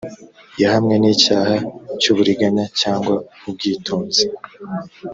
yahamwe n icyaha cy uburiganya cyangwa ubwitonzi